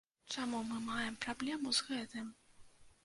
Чаму мы маем праблему з гэтым?